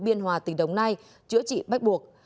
biên hòa tỉnh đồng nai chữa trị bách buộc